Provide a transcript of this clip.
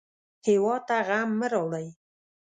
هېواد ته غم مه راوړئ